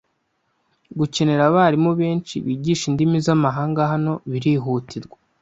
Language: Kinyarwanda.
Gukenera abarimu benshi bigisha indimi zamahanga hano birihutirwa.